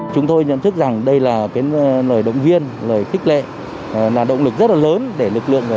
chúng tôi nhận thức rằng đây là lời động viên lời khích lệ là động lực rất là lớn để lực lượng